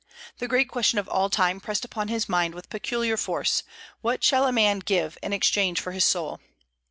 The great question of all time pressed upon his mind with peculiar force, "What shall a man give in exchange for his soul?"